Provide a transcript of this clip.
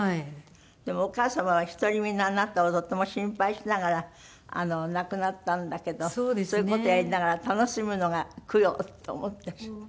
でもお母様は独り身のあなたをとても心配しながら亡くなったんだけどそういう事をやりながら楽しむのが供養と思ってらっしゃる？